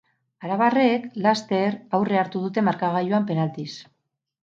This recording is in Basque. Arabarrek laster aurrea hartu dute markagailuan penaltiz.